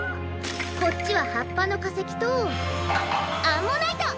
こっちははっぱのかせきとアンモナイト！